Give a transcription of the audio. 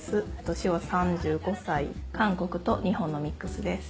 年は３５歳韓国と日本のミックスです。